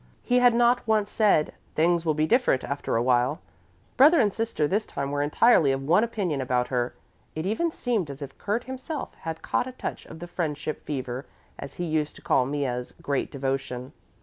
He had not once said: "Things will be different after a while." Brother and sister this time were entirely of one opinion about her: it even seemed as if Kurt himself had caught a touch of the friendship fever, as he used to call Mea's great devotion.